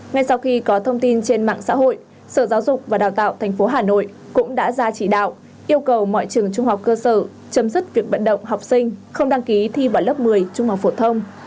ngay sau khi có thông tin trên mạng xã hội sở giáo dục và đào tạo tp hà nội cũng đã ra chỉ đạo yêu cầu mọi trường trung học cơ sở chấm dứt việc vận động học sinh không đăng ký thi vào lớp một mươi trung học phổ thông